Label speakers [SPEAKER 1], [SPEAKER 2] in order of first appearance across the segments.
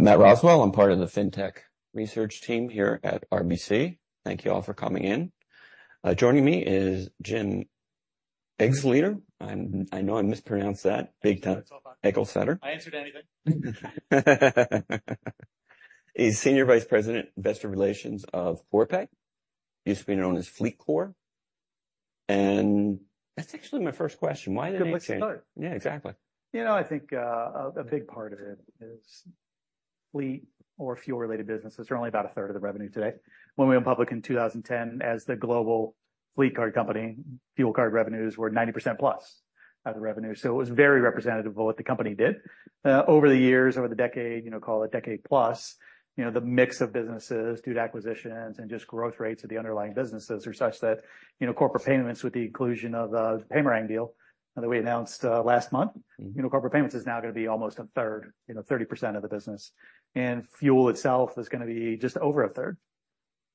[SPEAKER 1] Matt Roswell, I'm part of the Fintech research team here at RBC. Thank you all for coming in. Joining me is Jim Eglseder. I know I mispronounced that big time.
[SPEAKER 2] It's all fine.
[SPEAKER 1] Eglseder.
[SPEAKER 2] I answer to anything.
[SPEAKER 1] He's Senior Vice President, Investor Relations of Corpay. Used to be known as FLEETCOR. And that's actually my first question. Why the name change?
[SPEAKER 2] Good place to start.
[SPEAKER 1] Yeah, exactly.
[SPEAKER 2] You know, I think, a big part of it is fleet or fuel-related businesses are only about a third of the revenue today. When we went public in 2010 as the global fleet card company, fuel card revenues were 90% plus of the revenue, so it was very representative of what the company did. Over the years, over the decade, you know, call it decade plus, you know, the mix of businesses due to acquisitions and just growth rates of the underlying businesses are such that, you know, corporate payments, with the inclusion of the Paymerang deal that we announced, last month, you know, corporate payments is now gonna be almost a third, you know, 30% of the business. And fuel itself is gonna be just over a third.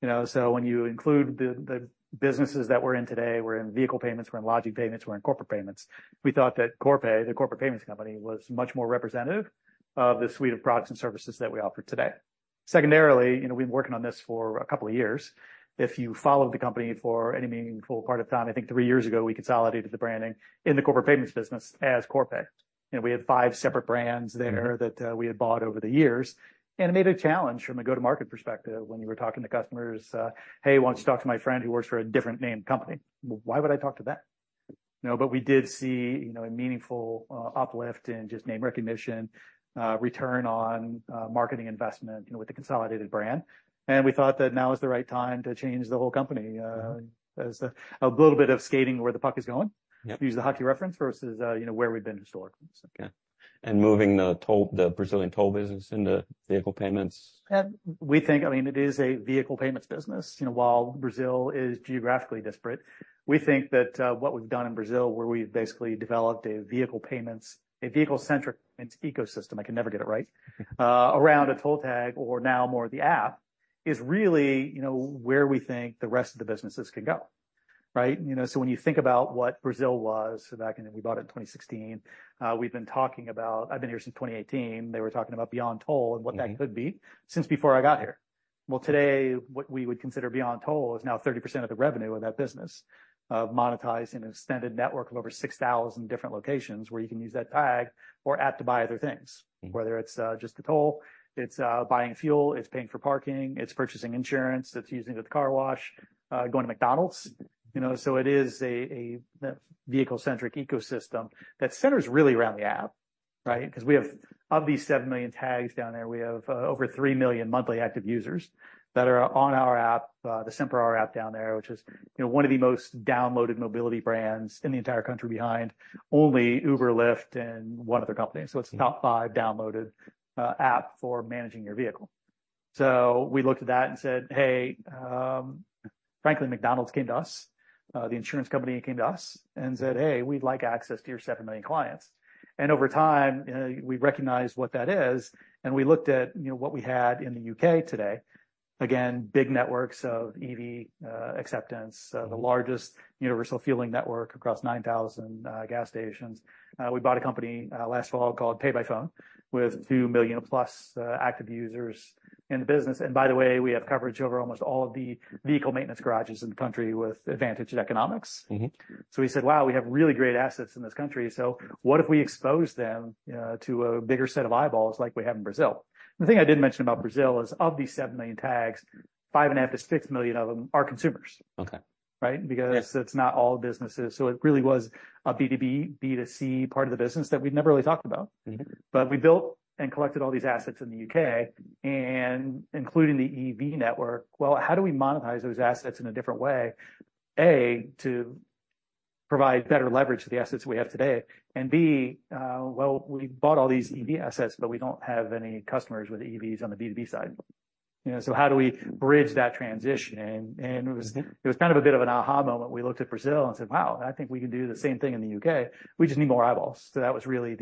[SPEAKER 2] You know, so when you include the businesses that we're in today, we're in vehicle payments, we're in lodging payments, we're in corporate payments, we thought that Corpay, the corporate payments company, was much more representative of the suite of products and services that we offer today. Secondarily, you know, we've been working on this for a couple of years. If you followed the company for any meaningful part of time, I think three years ago, we consolidated the branding in the corporate payments business as Corpay. You know, we had five separate brands there that we had bought over the years, and it made it a challenge from a go-to-market perspective when you were talking to customers, "Hey, why don't you talk to my friend who works for a different name company?" Why would I talk to them? You know, but we did see, you know, a meaningful uplift in just name recognition, return on marketing investment, you know, with the consolidated brand, and we thought that now is the right time to change the whole company, as a little bit of skating where the puck is going-
[SPEAKER 1] Yep.
[SPEAKER 2] To use the hockey reference, versus, you know, where we've been historically.
[SPEAKER 1] Okay. And moving the toll, the Brazilian toll business into vehicle payments?
[SPEAKER 2] We think, I mean, it is a vehicle payments business. You know, while Brazil is geographically disparate, we think that what we've done in Brazil, where we've basically developed a vehicle payments, a vehicle-centric payments ecosystem, I can never get it right, around a toll tag or now more the app, is really, you know, where we think the rest of the businesses can go. Right? You know, so when you think about what Brazil was back in... We bought in 2016, we've been talking about. I've been here since 2018. They were talking about beyond toll and what that could be since before I got here. Well, today, what we would consider beyond toll is now 30% of the revenue of that business, monetizing an extended network of over 6,000 different locations where you can use that tag or app to buy other things.
[SPEAKER 1] Mm-hmm.
[SPEAKER 2] Whether it's, just the toll, it's, buying fuel, it's paying for parking, it's purchasing insurance, it's using the car wash, going to McDonald's. You know, so it is a, a vehicle-centric ecosystem that centers really around the app, right? 'Cause we have, of these 7 million tags down there, we have, over 3 million monthly active users that are on our app, the Sem Parar app down there, which is, you know, one of the most downloaded mobility brands in the entire country, behind only Uber, Lyft, and one other company.
[SPEAKER 1] Mm-hmm.
[SPEAKER 2] So it's top 5 downloaded app for managing your vehicle. So we looked at that and said, "Hey," frankly, McDonald's came to us, the insurance company came to us and said, "Hey, we'd like access to your 7 million clients." And over time, we recognized what that is, and we looked at, you know, what we had in the UK today. Again, big networks of EV acceptance, the largest universal fueling network across 9,000 gas stations. We bought a company last fall called PayByPhone, with 2 million-plus active users in the business. And by the way, we have coverage over almost all of the vehicle maintenance garages in the country with advantage of economics.
[SPEAKER 1] Mm-hmm.
[SPEAKER 2] So we said, "Wow, we have really great assets in this country, so what if we expose them to a bigger set of eyeballs like we have in Brazil?" The thing I didn't mention about Brazil is, of these 7 million tags, 5.5-6 million of them are consumers.
[SPEAKER 1] Okay.
[SPEAKER 2] Right?
[SPEAKER 1] Yes.
[SPEAKER 2] Because it's not all businesses. It really was a B2B, B2C part of the business that we'd never really talked about.
[SPEAKER 1] Mm-hmm.
[SPEAKER 2] But we built and collected all these assets in the UK and including the EV network. Well, how do we monetize those assets in a different way? A, to provide better leverage to the assets we have today, and B, well, we bought all these EV assets, but we don't have any customers with EVs on the B2B side. You know, so how do we bridge that transition? And, and it was-
[SPEAKER 1] Mm-hmm.
[SPEAKER 2] It was kind of a bit of an aha moment. We looked at Brazil and said, "Wow, I think we can do the same thing in the UK. We just need more eyeballs." So that was really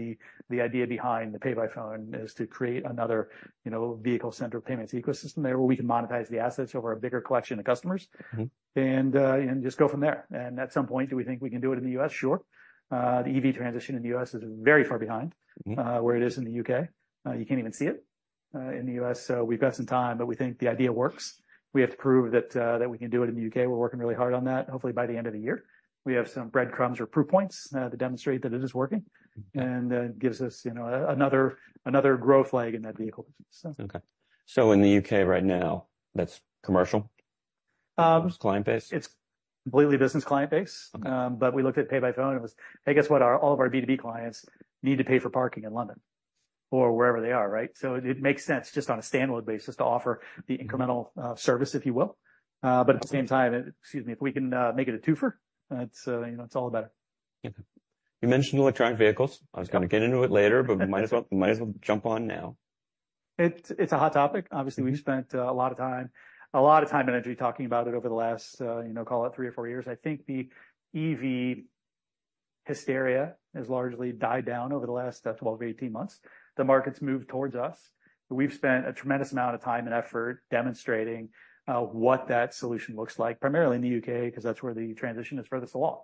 [SPEAKER 2] the idea behind the PayByPhone, is to create another, you know, vehicle-centric payments ecosystem there, where we can monetize the assets over a bigger collection of customers-
[SPEAKER 1] Mm-hmm.
[SPEAKER 2] And just go from there. And at some point, do we think we can do it in the U.S.? Sure. The EV transition in the U.S. is very far behind-
[SPEAKER 1] Mm-hmm.
[SPEAKER 2] Where it is in the U.K. You can't even see it in the U.S., so we've got some time, but we think the idea works. We have to prove that, that we can do it in the U.K. We're working really hard on that. Hopefully, by the end of the year, we have some breadcrumbs or proof points to demonstrate that it is working, and gives us, you know, another growth leg in that vehicle. So...
[SPEAKER 1] Okay. So in the U.K. right now, that's commercial?
[SPEAKER 2] Um-
[SPEAKER 1] Client base?
[SPEAKER 2] It's completely business client base.
[SPEAKER 1] Okay.
[SPEAKER 2] But we looked at PayByPhone and was, "Hey, guess what? Our, all of our B2B clients need to pay for parking in London or wherever they are, right?" So it, it makes sense, just on a standalone basis, to offer the incremental, service, if you will. But at the same time, excuse me, if we can, make it a twofer, it's, you know, it's all the better.
[SPEAKER 1] Yep. You mentioned electric vehicles. I was gonna get into it later, but might as well, might as well jump on now.
[SPEAKER 2] It's a hot topic. Obviously, we've spent a lot of time, a lot of time and energy talking about it over the last, you know, call it three or four years. I think the EV hysteria has largely died down over the last 12 or 18 months. The market's moved towards us. We've spent a tremendous amount of time and effort demonstrating what that solution looks like, primarily in the UK, because that's where the transition is furthest along.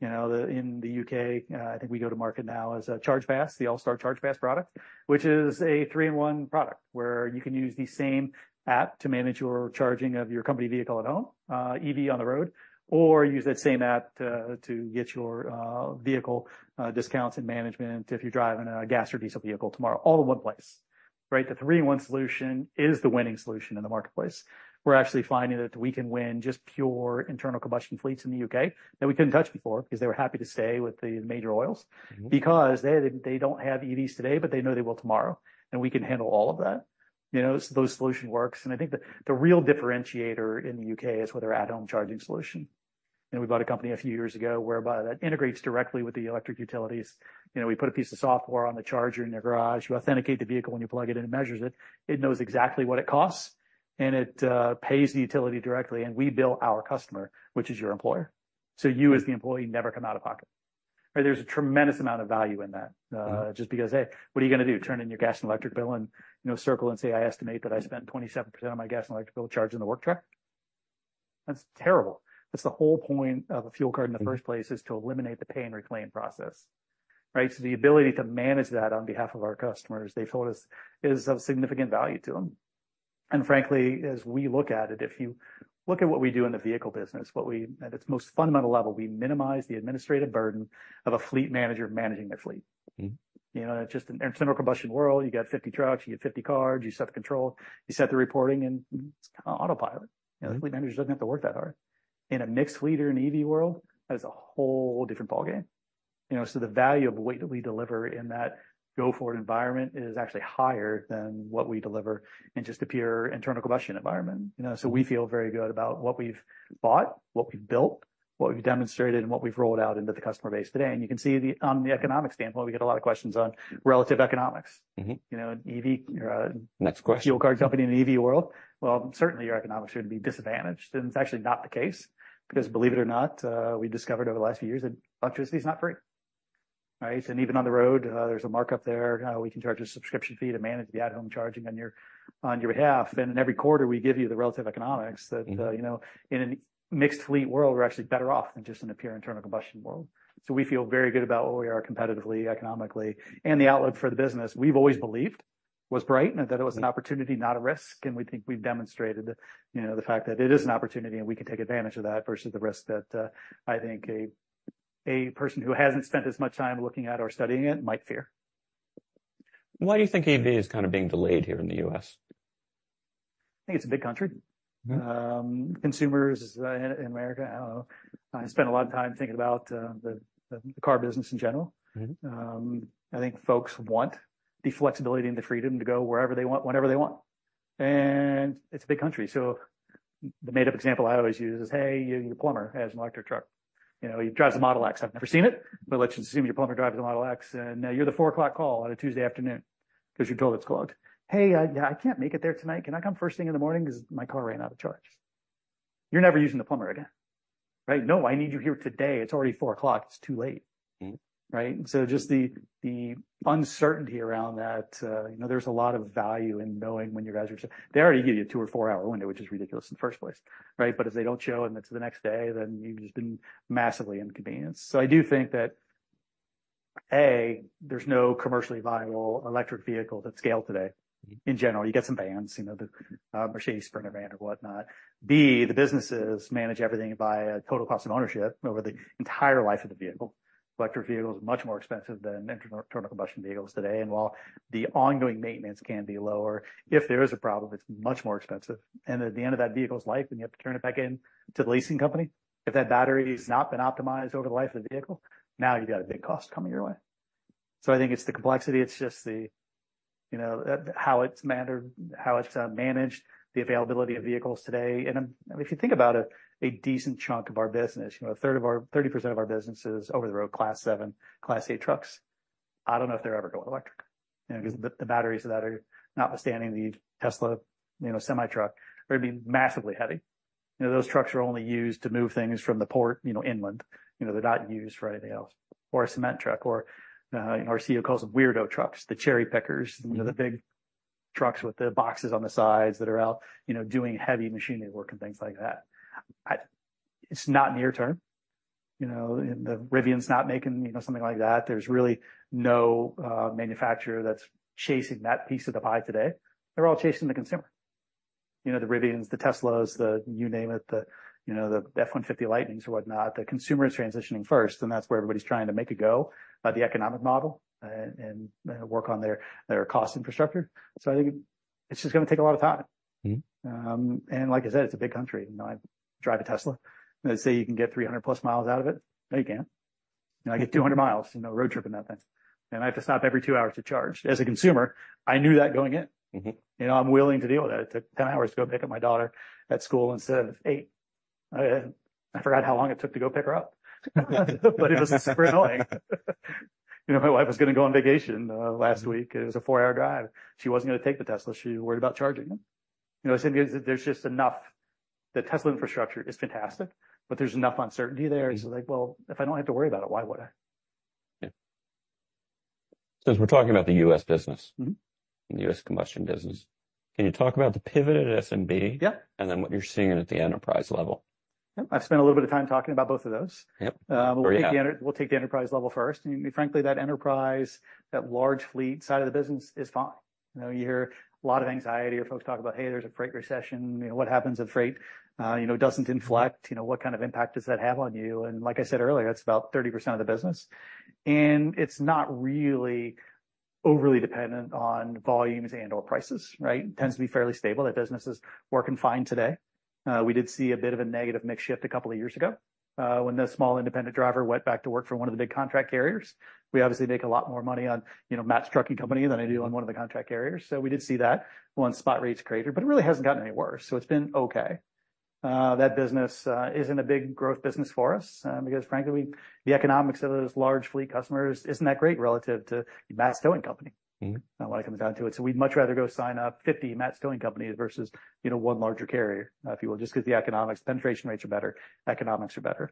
[SPEAKER 2] You know, in the UK, I think we go to market now as Chargepass, the Allstar Chargepass product, which is a three-in-one product, where you can use the same app to manage your charging of your company vehicle at home, EV on the road, or use that same app to get your vehicle discounts and management if you're driving a gas or diesel vehicle tomorrow, all in one place, right? The three-in-one solution is the winning solution in the marketplace. We're actually finding that we can win just pure internal combustion fleets in the UK that we couldn't touch before because they were happy to stay with the major oils.
[SPEAKER 1] Mm-hmm.
[SPEAKER 2] Because they don't have EVs today, but they know they will tomorrow, and we can handle all of that. You know, so those solution works, and I think the real differentiator in the U.K. is with our add-on charging solution. And we bought a company a few years ago whereby that integrates directly with the electric utilities. You know, we put a piece of software on the charger in your garage. You authenticate the vehicle when you plug it in. It measures it. It knows exactly what it costs, and it pays the utility directly, and we bill our customer, which is your employer. So you, as the employee, never come out of pocket. And there's a tremendous amount of value in that-
[SPEAKER 1] Mm.
[SPEAKER 2] Just because, hey, what are you gonna do? Turn in your gas and electric bill and, you know, circle and say, "I estimate that I spent 27% on my gas and electric bill charging the work truck?" That's terrible. That's the whole point of a fuel card in the first place, is to eliminate the pay and reclaim process, right? So the ability to manage that on behalf of our customers, they've told us, is of significant value to them. And frankly, as we look at it, if you look at what we do in the vehicle business, what we, at its most fundamental level, we minimize the administrative burden of a fleet manager managing their fleet.
[SPEAKER 1] Mm-hmm.
[SPEAKER 2] You know, just in internal combustion world, you got 50 trucks, you get 50 cards, you set the control, you set the reporting, and it's kind of autopilot.
[SPEAKER 1] Mm.
[SPEAKER 2] You know, the fleet manager doesn't have to work that hard. In a mixed fleet or an EV world, that is a whole different ballgame. You know, so the value of what we deliver in that go-forward environment is actually higher than what we deliver in just a pure internal combustion environment, you know? So we feel very good about what we've bought, what we've built, what we've demonstrated, and what we've rolled out into the customer base today. And you can see the, on the economic standpoint, we get a lot of questions on relative economics.
[SPEAKER 1] Mm-hmm.
[SPEAKER 2] You know, EV,
[SPEAKER 1] Next question.
[SPEAKER 2] Fuel card company in the EV world, well, certainly your economics should be disadvantaged, and it's actually not the case. Because believe it or not, we've discovered over the last few years that electricity is not free, right? And even on the road, there's a markup there. We can charge a subscription fee to manage the at-home charging on your, on your behalf. Then in every quarter, we give you the relative economics that-
[SPEAKER 1] Mm.
[SPEAKER 2] you know, in a mixed fleet world, we're actually better off than just in a pure internal combustion world. So we feel very good about where we are competitively, economically, and the outlook for the business we've always believed was bright and that it was an opportunity, not a risk. And we think we've demonstrated, you know, the fact that it is an opportunity and we can take advantage of that versus the risk that, I think a person who hasn't spent as much time looking at or studying it might fear.
[SPEAKER 1] Why do you think EV is kind of being delayed here in the U.S.?
[SPEAKER 2] I think it's a big country.
[SPEAKER 1] Mm-hmm.
[SPEAKER 2] Consumers in America, I spend a lot of time thinking about the car business in general.
[SPEAKER 1] Mm-hmm.
[SPEAKER 2] I think folks want the flexibility and the freedom to go wherever they want, whenever they want. And it's a big country. So the made-up example I always use is, hey, your plumber has an electric truck. You know, he drives a Model X. I've never seen it, but let's assume your plumber drives a Model X, and you're the 4:00 P.M. call on a Tuesday afternoon 'cause your toilet's clogged. "Hey, yeah, I can't make it there tonight. Can I come first thing in the morning? 'Cause my car ran out of charge." You're never using the plumber again, right? "No, I need you here today. It's already 4:00 P.M. It's too late.
[SPEAKER 1] Mm-hmm.
[SPEAKER 2] Right? So just the, the uncertainty around that, you know, there's a lot of value in knowing when you guys are... They already give you a 2- or 4-hour window, which is ridiculous in the first place, right? But if they don't show and it's the next day, then you've just been massively inconvenienced. So I do think that, A, there's no commercially viable electric vehicle that's scaled today. In general, you get some vans, you know, the Mercedes Sprinter van or whatnot. B, the businesses manage everything by a total cost of ownership over the entire life of the vehicle. Electric vehicle is much more expensive than internal, internal combustion vehicles today, and while the ongoing maintenance can be lower, if there is a problem, it's much more expensive. And at the end of that vehicle's life, when you have to turn it back in to the leasing company, if that battery has not been optimized over the life of the vehicle, now you got a big cost coming your way. So I think it's the complexity, it's just the, you know, how it's mattered, how it's managed, the availability of vehicles today. And if you think about it, a decent chunk of our business, you know, a third of our—30% of our business is over the road, Class 7, Class 8 trucks. I don't know if they're ever going electric, you know, 'cause the batteries that are notwithstanding the Tesla, you know, semi-truck, would be massively heavy. You know, those trucks are only used to move things from the port, you know, inland. You know, they're not used for anything else. Or a cement truck or, our CEO calls them weirdo trucks, the cherry pickers.
[SPEAKER 1] Mm.
[SPEAKER 2] You know, the big trucks with the boxes on the sides that are out, you know, doing heavy machinery work and things like that. It's not near term, you know, and the Rivian's not making, you know, something like that. There's really no manufacturer that's chasing that piece of the pie today. They're all chasing the consumer. You know, the Rivians, the Teslas, the you name it, the, you know, the F-150 Lightnings or whatnot. The consumer is transitioning first, and that's where everybody's trying to make a go by the economic model and work on their cost infrastructure. So I think it's just gonna take a lot of time.
[SPEAKER 1] Mm-hmm.
[SPEAKER 2] Like I said, it's a big country. You know, I drive a Tesla. They say you can get 300+ miles out of it. No, you can't. You know, I get 200 miles, you know, road tripping up, and I have to stop every 2 hours to charge. As a consumer, I knew that going in.
[SPEAKER 1] Mm-hmm.
[SPEAKER 2] You know, I'm willing to deal with that. It took 10 hours to go pick up my daughter at school instead of 8. I forgot how long it took to go pick her up. But it was super annoying. You know, my wife was gonna go on vacation last week. It was a 4-hour drive. She wasn't gonna take the Tesla. She was worried about charging. You know what I'm saying? There's just enough... The Tesla infrastructure is fantastic, but there's enough uncertainty there.
[SPEAKER 1] Mm.
[SPEAKER 2] Like, well, if I don't have to worry about it, why would I?
[SPEAKER 1] Yeah. Since we're talking about the U.S. business-
[SPEAKER 2] Mm-hmm.
[SPEAKER 1] The U.S. combustion business, can you talk about the pivot at SMB?
[SPEAKER 2] Yeah.
[SPEAKER 1] What you're seeing at the enterprise level.
[SPEAKER 2] Yep. I've spent a little bit of time talking about both of those.
[SPEAKER 1] Yep. There you go.
[SPEAKER 2] We'll take the enterprise level first. And frankly, that enterprise, that large fleet side of the business is fine. You know, you hear a lot of anxiety or folks talk about, "Hey, there's a freight recession. You know, what happens if freight, you know, doesn't inflect? You know, what kind of impact does that have on you?" And like I said earlier, it's about 30% of the business, and it's not really overly dependent on volumes and/or prices, right? It tends to be fairly stable. That business is working fine today. We did see a bit of a negative mix shift a couple of years ago, when the small independent driver went back to work for one of the big contract carriers. We obviously make a lot more money on, you know, Matt's trucking company than I do on one of the contract carriers. So we did see that when spot rates cratered, but it really hasn't gotten any worse, so it's been okay. That business isn't a big growth business for us, because frankly, the economics of those large fleet customers isn't that great relative to Matt's towing company.
[SPEAKER 1] Mm-hmm.
[SPEAKER 2] When it comes down to it. So we'd much rather go sign up 50 Matt's towing companies versus, you know, one larger carrier, if you will, just 'cause the economics, penetration rates are better, economics are better.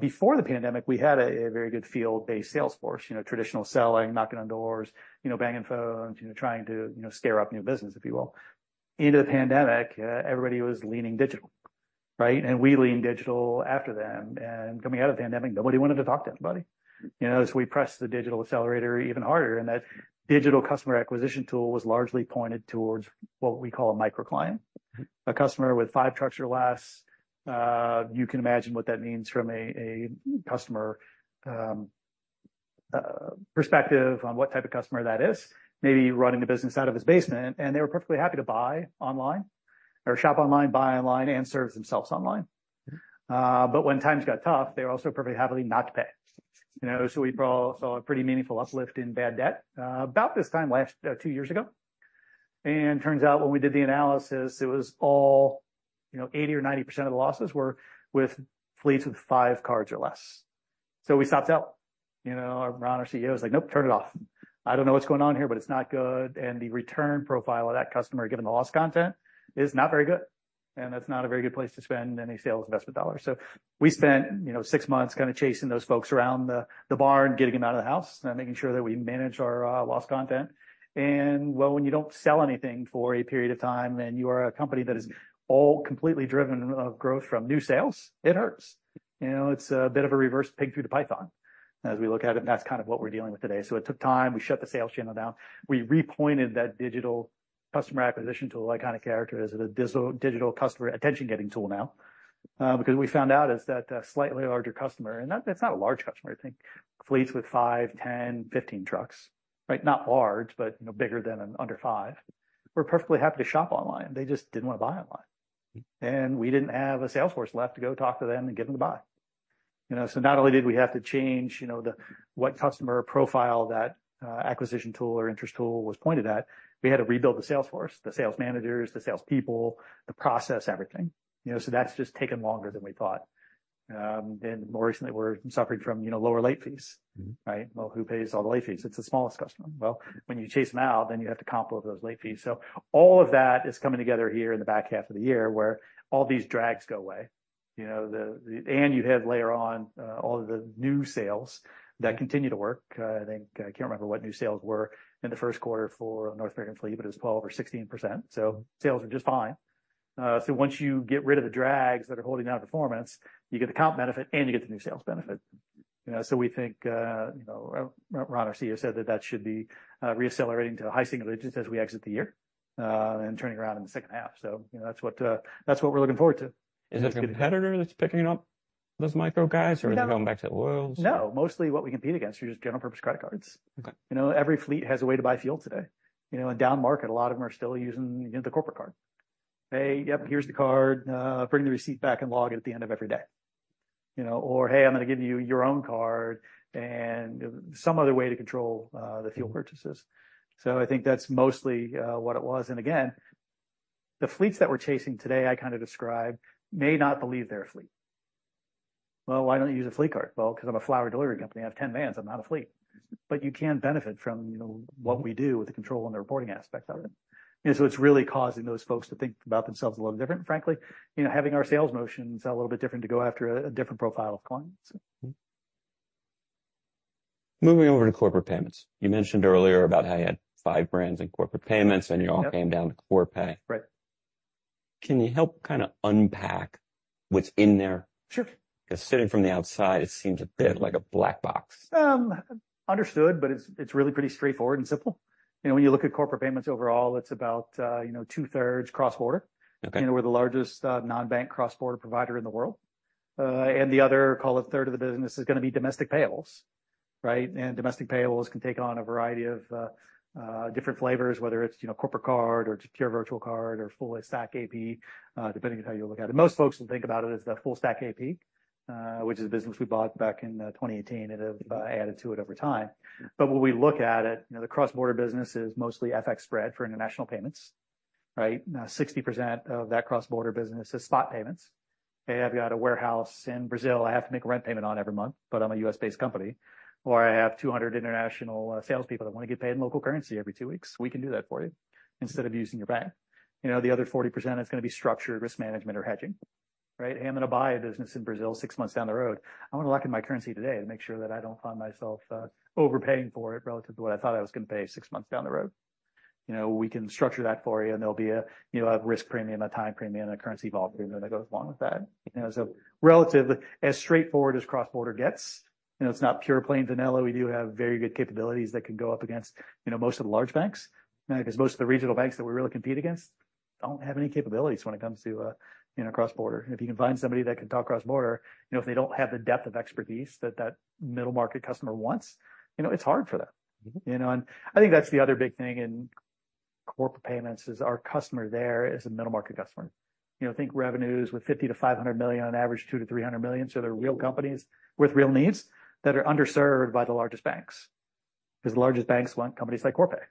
[SPEAKER 2] Before the pandemic, we had a very good field-based sales force, you know, traditional selling, knocking on doors, you know, banging phones, you know, trying to, you know, scare up new business, if you will. Into the pandemic, everybody was leaning digital, right? And we leaned digital after them, and coming out of the pandemic, nobody wanted to talk to anybody. You know, so we pressed the digital accelerator even harder, and that digital customer acquisition tool was largely pointed towards what we call a micro client.
[SPEAKER 1] Mm-hmm.
[SPEAKER 2] A customer with five trucks or less, you can imagine what that means from a customer perspective on what type of customer that is. Maybe running the business out of his basement, and they were perfectly happy to buy online or shop online, buy online, and service themselves online. But when times got tough, they were also perfectly happy not to pay. You know, so we saw a pretty meaningful uplift in bad debt, about this time last two years ago. And turns out, when we did the analysis, it was all... you know, 80% or 90% of the losses were with fleets with five cars or less. So we stopped out. You know, Ron, our CEO, was like, "Nope, turn it off. I don't know what's going on here, but it's not good," and the return profile of that customer, given the loss content, is not very good, and that's not a very good place to spend any sales investment dollars. So we spent, you know, six months kind of chasing those folks around the, the barn, getting them out of the house, and making sure that we manage our loss content. Well, when you don't sell anything for a period of time, and you are a company that is all completely driven of growth from new sales, it hurts. You know, it's a bit of a reverse pig through the python as we look at it, and that's kind of what we're dealing with today. So it took time. We shut the sales channel down. We repointed that digital customer acquisition tool. I kind of characterize it a digital customer attention-getting tool now, because we found out that a slightly larger customer, and that's not a large customer. I think fleets with 5, 10, 15 trucks, right? Not large, but, you know, bigger than under 5, were perfectly happy to shop online. They just didn't want to buy online, and we didn't have a sales force left to go talk to them and get them to buy. You know, so not only did we have to change, you know, the, what customer profile that acquisition tool or interest tool was pointed at, we had to rebuild the sales force, the sales managers, the salespeople, the process, everything. You know, so that's just taken longer than we thought. More recently, we're suffering from, you know, lower late fees.
[SPEAKER 1] Mm-hmm.
[SPEAKER 2] Right? Well, who pays all the late fees? It's the smallest customer. Well, when you chase them out, then you have to comp over those late fees. So all of that is coming together here in the back half of the year, where all these drags go away. You know, and you have later on all of the new sales that continue to work. I think I can't remember what new sales were in the first quarter for North American Fleet, but it was 12% or 16%, so sales are just fine. So once you get rid of the drags that are holding down performance, you get the comp benefit and you get the new sales benefit. You know, so we think... You know, Ron, our CEO, said that that should be re-accelerating to high single digits as we exit the year and turning around in the second half. So, you know, that's what that's what we're looking forward to.
[SPEAKER 1] Is it a competitor that's picking up those micro guys, or is it going back to the worlds?
[SPEAKER 2] No, mostly what we compete against is just general-purpose credit cards.
[SPEAKER 1] Okay.
[SPEAKER 2] You know, every fleet has a way to buy fuel today. You know, in down market, a lot of them are still using, you know, the corporate card. "Hey, yep, here's the card, bring the receipt back and log it at the end of every day." You know, or, "Hey, I'm gonna give you your own card," and some other way to control, the fuel purchases. So I think that's mostly, what it was. And again, the fleets that we're chasing today, I kind of described, may not believe they're a fleet. "Well, why don't you use a fleet card?" "Well, 'cause I'm a flower delivery company. I have 10 vans. I'm not a fleet." But you can benefit from, you know, what we do with the control and the reporting aspects of it. It's really causing those folks to think about themselves a little different, frankly. You know, having our sales motion is a little bit different to go after a different profile of clients.
[SPEAKER 1] Mm-hmm. Moving over to corporate payments. You mentioned earlier about how you had five brands in corporate payments, and you all came down to Corpay.
[SPEAKER 2] Right.
[SPEAKER 1] Can you help kinda unpack what's in there?
[SPEAKER 2] Sure.
[SPEAKER 1] 'Cause sitting from the outside, it seems a bit like a black box.
[SPEAKER 2] Understood, but it's really pretty straightforward and simple. You know, when you look at corporate payments overall, it's about, you know, two-thirds cross-border.
[SPEAKER 1] Okay.
[SPEAKER 2] You know, we're the largest non-bank cross-border provider in the world. And the other, call it, third of the business is gonna be domestic payables, right? Domestic payables can take on a variety of different flavors, whether it's, you know, corporate card or pure virtual card or full stack AP, depending on how you look at it. Most folks will think about it as the full stack AP, which is a business we bought back in 2018 and have added to it over time. But when we look at it, you know, the cross-border business is mostly FX spread for international payments, right? 60% of that cross-border business is spot payments. Hey, I've got a warehouse in Brazil I have to make a rent payment on every month, but I'm a U.S.-based company," or, "I have 200 international salespeople that want to get paid in local currency every two weeks." We can do that for you instead of using your bank. You know, the other 40% is gonna be structured risk management or hedging... Right? Hey, I'm gonna buy a business in Brazil six months down the road. I wanna lock in my currency today to make sure that I don't find myself overpaying for it relative to what I thought I was gonna pay six months down the road. You know, we can structure that for you, and there'll be a, you know, a risk premium, a time premium, and a currency vol premium that goes along with that. You know, so relatively, as straightforward as cross-border gets, you know, it's not pure plain vanilla. We do have very good capabilities that can go up against, you know, most of the large banks. 'Cause most of the regional banks that we really compete against don't have any capabilities when it comes to, you know, cross-border. If you can find somebody that can talk cross-border, you know, if they don't have the depth of expertise that that middle-market customer wants, you know, it's hard for them. You know, and I think that's the other big thing in corporate payments is our customer there is a middle-market customer. You know, think revenues with $50 million-$500 million on average, $200 million-$300 million, so they're real companies with real needs that are underserved by the largest banks. 'Cause the largest banks want companies like Corpay,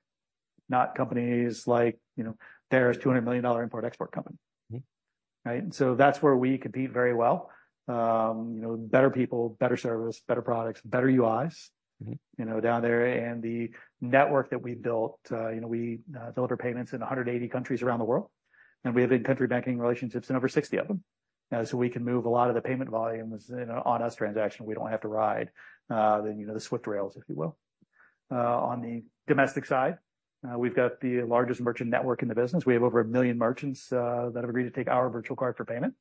[SPEAKER 2] not companies like, you know, there's $200 million import-export company. Mm-hmm. Right? And so that's where we compete very well. You know, better people, better service, better products, better UIs-
[SPEAKER 1] Mm-hmm.
[SPEAKER 2] You know, down there. And the network that we built, you know, we deliver payments in 180 countries around the world, and we have in-country banking relationships in over 60 of them. So we can move a lot of the payment volumes in an on-us transaction. We don't have to ride, you know, the SWIFT rails, if you will. On the domestic side, we've got the largest merchant network in the business. We have over 1 million merchants that have agreed to take our virtual card for payment,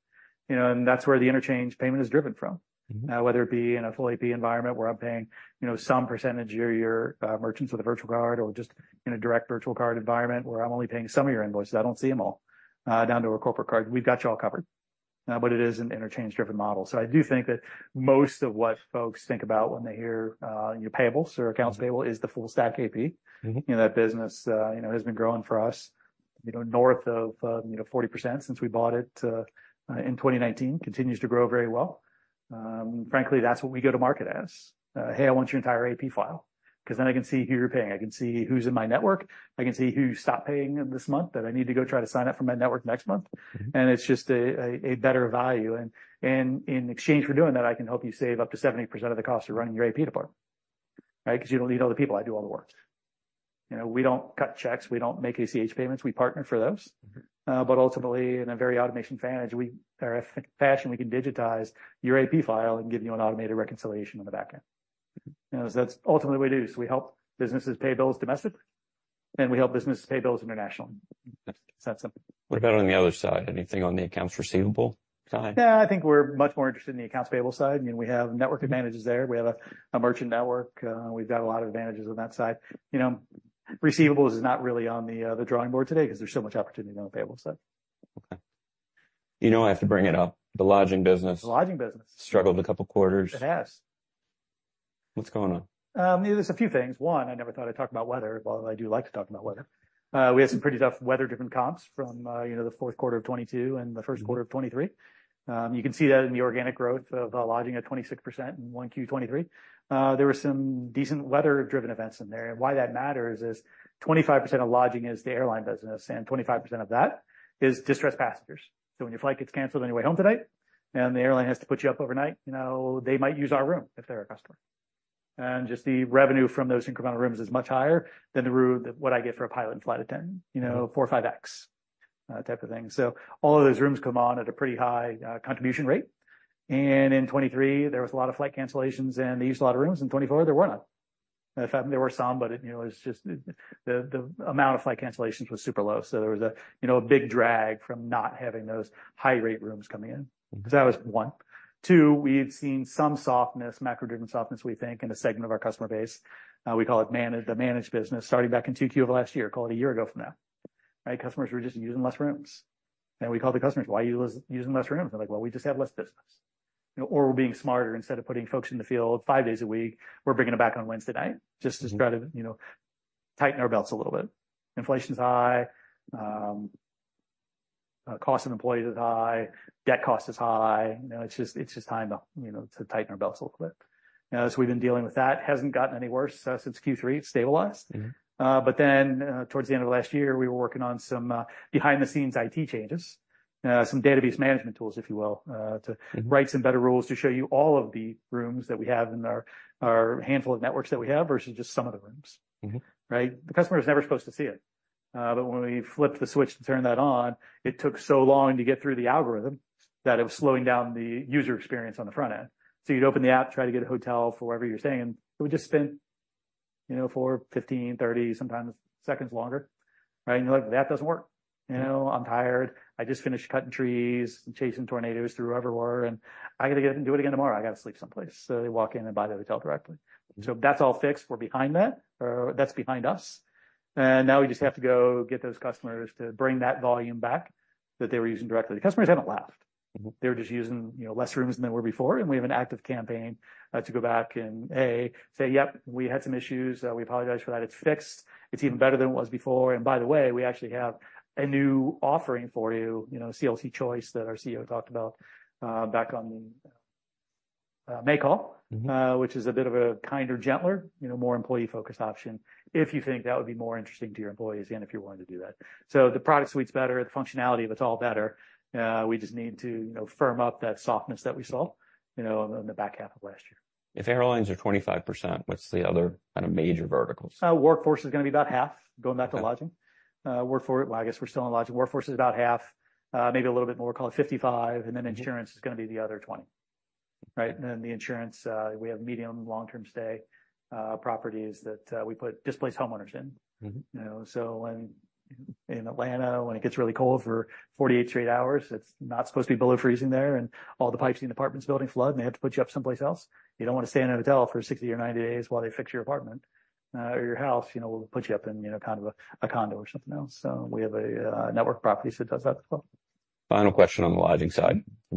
[SPEAKER 2] you know, and that's where the interchange payment is driven from.
[SPEAKER 1] Mm-hmm.
[SPEAKER 2] Now, whether it be in a full AP environment, where I'm paying, you know, some percentage of your merchants with a virtual card or just in a direct virtual card environment, where I'm only paying some of your invoices, I don't see them all, down to a corporate card. We've got you all covered. But it is an interchange-driven model. So I do think that most of what folks think about when they hear your payables or accounts payable is the full-stack AP.
[SPEAKER 1] Mm-hmm.
[SPEAKER 2] You know, that business, you know, has been growing for us, you know, north of, you know, 40% since we bought it in 2019. Continues to grow very well. Frankly, that's what we go to market as. "Hey, I want your entire AP file, 'cause then I can see who you're paying. I can see who's in my network. I can see who you stopped paying this month, that I need to go try to sign up for my network next month.
[SPEAKER 1] Mm-hmm.
[SPEAKER 2] It's just a better value. In exchange for doing that, I can help you save up to 70% of the cost of running your AP department. Right? 'Cause you don't need other people. I do all the work. You know, we don't cut checks, we don't make ACH payments, we partner for those.
[SPEAKER 1] Mm-hmm.
[SPEAKER 2] But ultimately, in a very automated fashion, we can digitize your AP file and give you an automated reconciliation on the back end. You know, so that's ultimately what we do. So we help businesses pay bills domestically, and we help businesses pay bills internationally. That's simple.
[SPEAKER 1] What about on the other side? Anything on the accounts receivable side?
[SPEAKER 2] Yeah, I think we're much more interested in the accounts payable side. I mean, we have network advantages there. We have a merchant network, we've got a lot of advantages on that side. You know, receivables is not really on the drawing board today 'cause there's so much opportunity on the payable side.
[SPEAKER 1] Okay. You know, I have to bring it up, the lodging business.
[SPEAKER 2] The lodging business.
[SPEAKER 1] Struggled a couple of quarters.
[SPEAKER 2] It has.
[SPEAKER 1] What's going on?
[SPEAKER 2] There's a few things. One, I never thought I'd talk about weather, but I do like to talk about weather. We had some pretty tough weather-driven comps from, you know, the fourth quarter of 2022 and the first quarter of 2023. You can see that in the organic growth of, lodging at 26% in 1Q 2023. There were some decent weather-driven events in there, and why that matters is 25% of lodging is the airline business, and 25% of that is distressed passengers. So when your flight gets canceled on your way home tonight and the airline has to put you up overnight, you know, they might use our room if they're a customer. Just the revenue from those incremental rooms is much higher than the room what I get for a pilot in flight attendant, you know, 4-5x type of thing. So all of those rooms come on at a pretty high contribution rate. In 2023, there was a lot of flight cancellations, and they used a lot of rooms. In 2024, there were not. In fact, there were some, but it, you know, it's just the amount of flight cancellations was super low. So there was, you know, a big drag from not having those high-rate rooms coming in.
[SPEAKER 1] Mm-hmm.
[SPEAKER 2] So that was one. Two, we've seen some softness, macro-driven softness, we think, in a segment of our customer base. We call it the managed business, starting back in 2Q of last year, call it a year ago from now. Right? Customers were just using less rooms. And we called the customers: "Why are you using less rooms?" They're like: "Well, we just have less business. Or we're being smarter. Instead of putting folks in the field five days a week, we're bringing them back on Wednesday night, just to try to, you know, tighten our belts a little bit. Inflation's high, cost of employees is high, debt cost is high. You know, it's just, it's just time to, you know, to tighten our belts a little bit." So we've been dealing with that. Hasn't gotten any worse since Q3, it's stabilized.
[SPEAKER 1] Mm-hmm.
[SPEAKER 2] But then, towards the end of last year, we were working on some behind-the-scenes IT changes, some database management tools, if you will.
[SPEAKER 1] Mm-hmm.
[SPEAKER 2] to write some better rules to show you all of the rooms that we have in our handful of networks that we have, versus just some of the rooms.
[SPEAKER 1] Mm-hmm.
[SPEAKER 2] Right? The customer was never supposed to see it. But when we flipped the switch to turn that on, it took so long to get through the algorithm, that it was slowing down the user experience on the front end. So you'd open the app, try to get a hotel for wherever you're staying, and we just spent, you know, for 15, 30, sometimes seconds longer, right? And you're like: "That doesn't work. You know, I'm tired. I just finished cutting trees and chasing tornadoes through everywhere, and I gotta get up and do it again tomorrow. I gotta sleep someplace." So they walk in and buy the hotel directly. So that's all fixed. We're behind that, or that's behind us. And now we just have to go get those customers to bring that volume back that they were using directly. The customers haven't left.
[SPEAKER 1] Mm-hmm.
[SPEAKER 2] They're just using, you know, less rooms than they were before, and we have an active campaign to go back and say: "Yep, we had some issues. We apologize for that. It's fixed. It's even better than it was before. And by the way, we actually have a new offering for you, you know, CLC Choice, that our CEO talked about back on the May call.
[SPEAKER 1] Mm-hmm.
[SPEAKER 2] which is a bit of a kinder, gentler, you know, more employee-focused option, if you think that would be more interesting to your employees and if you wanted to do that." So the product suite's better, the functionality of it's all better. We just need to, you know, firm up that softness that we saw, you know, in the back half of last year.
[SPEAKER 1] If airlines are 25%, what's the other kind of major verticals?
[SPEAKER 2] Workforce is going to be about half, going back to lodging. Workforce, well, I guess we're still in lodging. Workforce is about half, maybe a little bit more, call it 55, and then insurance is going to be the other 20, right? And then the insurance, we have medium, long-term stay properties that we put displaced homeowners in.
[SPEAKER 1] Mm-hmm.
[SPEAKER 2] You know, so when in Atlanta, when it gets really cold for 48 straight hours, it's not supposed to be below freezing there, and all the pipes in the apartment building flood, and they have to put you up someplace else. You don't want to stay in a hotel for 60 or 90 days while they fix your apartment, or your house. You know, we'll put you up in, you know, kind of a condo or something else. So we have a network of properties that does that as well.
[SPEAKER 1] Final question on the lodging side for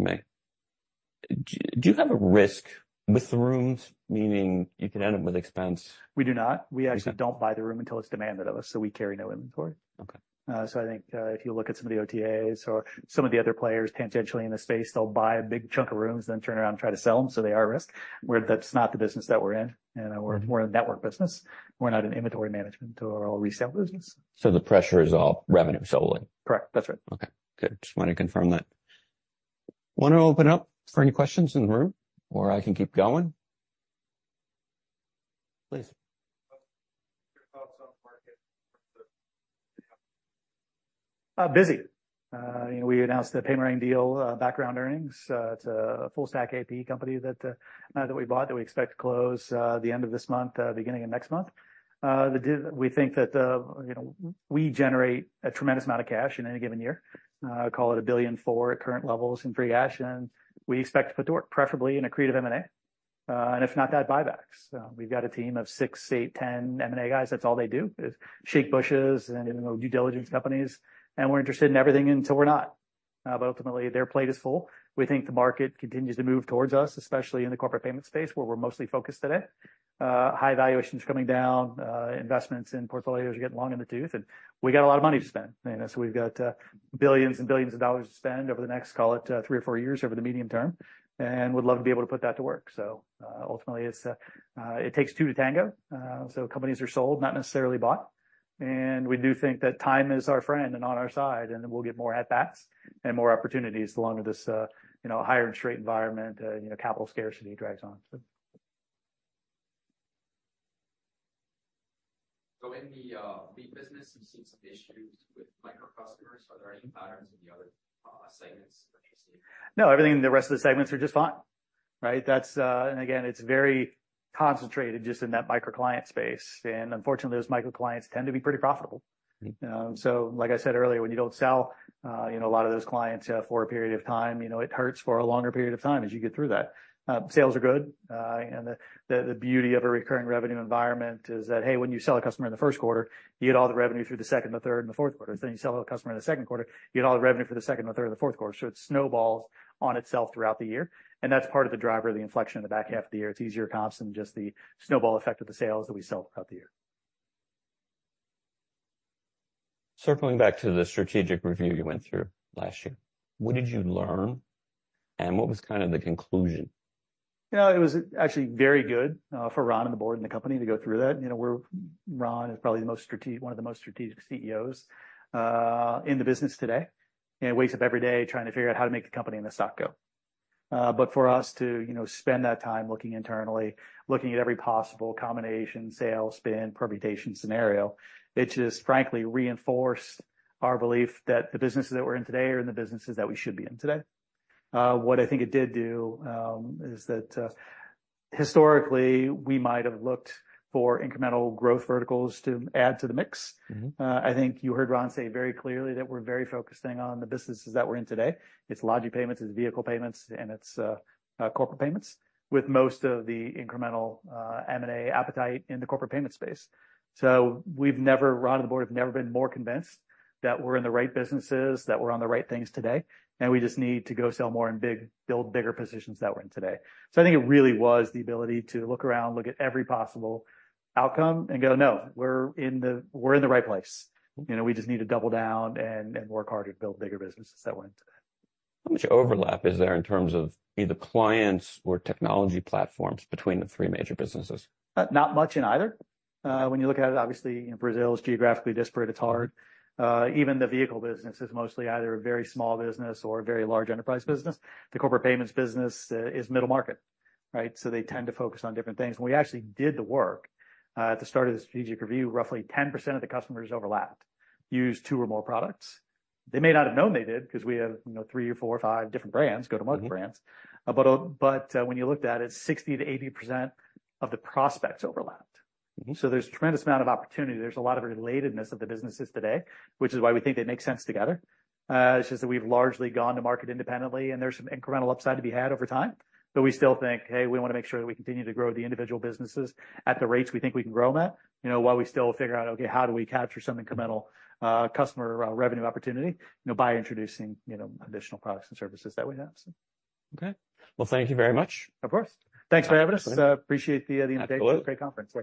[SPEAKER 1] me. Do you have a risk with the rooms, meaning you could end up with expense?
[SPEAKER 2] We do not. We actually don't buy the room until it's demanded of us, so we carry no inventory.
[SPEAKER 1] Okay.
[SPEAKER 2] So I think, if you look at some of the OTAs or some of the other players tangentially in the space, they'll buy a big chunk of rooms, then turn around and try to sell them, so they are at risk. Where that's not the business that we're in. You know, we're, we're a network business. We're not an inventory management or a resale business.
[SPEAKER 1] The pressure is all revenue solely?
[SPEAKER 2] Correct. That's right.
[SPEAKER 1] Okay, good. Just wanted to confirm that. Want to open up for any questions in the room, or I can keep going? Please.
[SPEAKER 3] Your thoughts on the market?
[SPEAKER 2] Busy. You know, we announced the Paymerang deal, background earnings. It's a full-stack AP company that we bought, that we expect to close the end of this month, beginning of next month. The deal—we think that, you know, we generate a tremendous amount of cash in any given year. Call it $1.4 billion at current levels in free cash, and we expect to put to work, preferably in accretive M&A, and if not that, buybacks. We've got a team of six, eight, 10 M&A guys. That's all they do is shake bushes and, you know, due diligence companies, and we're interested in everything until we're not. But ultimately, their plate is full. We think the market continues to move towards us, especially in the corporate payment space, where we're mostly focused today. High valuations coming down, investments in portfolios are getting long in the tooth, and we got a lot of money to spend. You know, so we've got $ billions and billions to spend over the next, call it, three or four years over the medium term, and would love to be able to put that to work. So, ultimately, it's, it takes two to tango. So companies are sold, not necessarily bought. And we do think that time is our friend and on our side, and then we'll get more at-bats and more opportunities the longer this, you know, higher interest rate environment, you know, capital scarcity drags on, so.
[SPEAKER 3] So in the lead business, you've seen some issues with micro customers. Are there any patterns in the other segments that you see?
[SPEAKER 2] No, everything in the rest of the segments are just fine, right? That's... And again, it's very concentrated just in that microclient space, and unfortunately, those microclients tend to be pretty profitable. So like I said earlier, when you don't sell, you know, a lot of those clients, for a period of time, you know, it hurts for a longer period of time as you get through that. Sales are good, and the, the beauty of a recurring revenue environment is that, hey, when you sell a customer in the first quarter, you get all the revenue through the second, the third, and the fourth quarter. Then you sell a customer in the second quarter, you get all the revenue for the second, the third, and the fourth quarter. It snowballs on itself throughout the year, and that's part of the driver of the inflection in the back half of the year. It's easier comps than just the snowball effect of the sales that we sell throughout the year.
[SPEAKER 1] Circling back to the strategic review you went through last year, what did you learn, and what was kind of the conclusion?
[SPEAKER 2] You know, it was actually very good for Ron and the board and the company to go through that. You know, Ron is probably the most strategic, one of the most strategic CEOs in the business today, and wakes up every day trying to figure out how to make the company and the stock go. But for us to, you know, spend that time looking internally, looking at every possible combination, sales, spin, permutation, scenario, it just frankly reinforced our belief that the businesses that we're in today are the businesses that we should be in today. What I think it did do is that historically, we might have looked for incremental growth verticals to add to the mix.
[SPEAKER 1] Mm-hmm.
[SPEAKER 2] I think you heard Ron say very clearly that we're very focused staying on the businesses that we're in today. It's lodging payments, it's vehicle payments, and it's corporate payments, with most of the incremental M&A appetite in the corporate payment space. So we've never, Ron and the board have never been more convinced that we're in the right businesses, that we're on the right things today, and we just need to go sell more and build bigger positions that we're in today. So I think it really was the ability to look around, look at every possible outcome and go, "No, we're in the, we're in the right place. You know, we just need to double down and work hard to build bigger businesses that we're in today.
[SPEAKER 1] How much overlap is there in terms of either clients or technology platforms between the three major businesses?
[SPEAKER 2] Not much in either. When you look at it, obviously, Brazil is geographically disparate, it's hard. Even the vehicle business is mostly either a very small business or a very large enterprise business. The corporate payments business is middle market, right? So they tend to focus on different things. When we actually did the work at the start of the strategic review, roughly 10% of the customers overlapped, used two or more products. They may not have known they did, 'cause we have, you know, three or four or five different brands, go-to-market brands.
[SPEAKER 1] Mm-hmm.
[SPEAKER 2] But when you looked at it, 60%-80% of the prospects overlapped.
[SPEAKER 1] Mm-hmm.
[SPEAKER 2] So there's tremendous amount of opportunity. There's a lot of relatedness of the businesses today, which is why we think they make sense together. It's just that we've largely gone to market independently, and there's some incremental upside to be had over time. But we still think, hey, we want to make sure that we continue to grow the individual businesses at the rates we think we can grow them at, you know, while we still figure out, okay, how do we capture some incremental, customer, revenue opportunity, you know, by introducing, you know, additional products and services that we have, so.
[SPEAKER 1] Okay. Well, thank you very much.
[SPEAKER 2] Of course. Thanks for having us. Appreciate the update.
[SPEAKER 1] Absolutely.
[SPEAKER 2] Great conference.